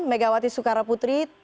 megawati soekarno putri